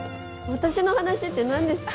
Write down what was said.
私の話ってなんですか？